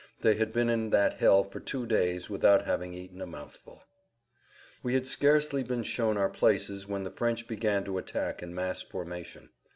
They had been in that hell for two days without having eaten a mouthful. We had scarcely been shown our places when the French began to attack in mass formation.